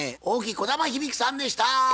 大木こだまひびきさんでした。